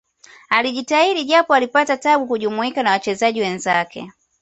alijitahidi japo alipata tabu kujumuika na wachezaji wenzake